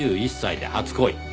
２１歳で初恋。